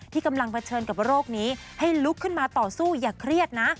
กำลังเผชิญกับโรคนี้ให้ลุกขึ้นมาต่อสู้อย่าเครียดนะ